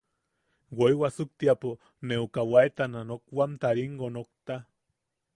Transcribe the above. Woi wasuktiapo ne uka waetana nokwamta ringo nokta.